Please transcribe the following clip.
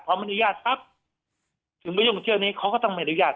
พอมันอนุญาตปั๊บถึงไปยุ่งเที่ยวนี้เขาก็ต้องไม่อนุญาต